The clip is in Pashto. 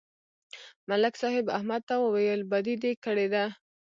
ملک صاحب احمد ته وویل: بدي دې کړې ده